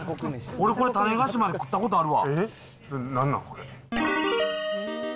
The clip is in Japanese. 俺、これ、種子島で食ったことあるわ。